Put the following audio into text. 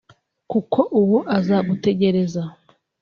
kuko uwo azagutegereza